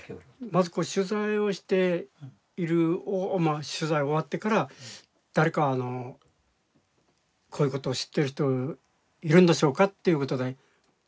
まず取材をしている取材を終わってから誰かこういうことを知ってる人いるんでしょうかということで。